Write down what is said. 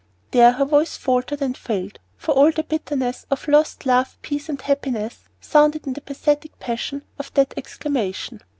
There her voice faltered and failed, for all the bitterness of lost love, peace, and happiness sounded in the pathetic passion of that exclamation.